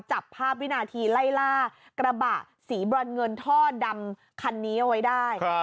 จับภาพวินาทีไล่ล่ากระบะสีบรอนเงินท่อดำคันนี้เอาไว้ได้